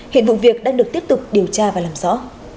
hiện vụ việc đang được tiếp tục điều tra và làm rõ